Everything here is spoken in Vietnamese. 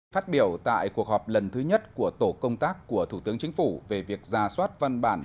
phát biểu tại cuộc họp lần thứ nhất của tổ công tác của thủ tướng chính phủ về việc ra soát văn bản